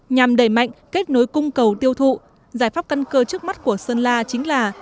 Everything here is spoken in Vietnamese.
nhằm đẩy mạnh kết nối cung cầu tiêu thụ giải pháp căn cơ trước mắt của sơn la chính là